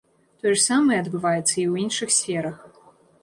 Тое ж самае адбываецца і ў іншых сферах.